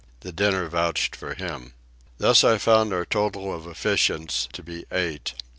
The dinner vouched for him. Thus I found our total of efficients to be eight.